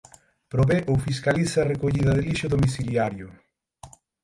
Prové ou fiscaliza a recollida de lixo domiciliario.